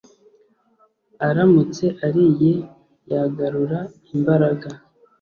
aramutse ariye yagarura imbaraga.